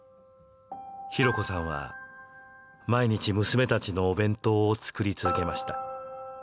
浩子さんは毎日娘たちのお弁当を作り続けました。